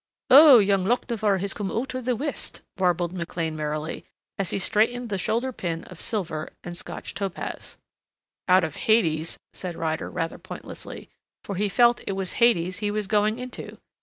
"Oh, young Lochinvar has come out of the west," warbled McLean merrily, as he straightened the shoulder pin of silver and Scotch topaz. "Out of Hades," said Ryder, rather pointlessly, for he felt it was Hades he was going into.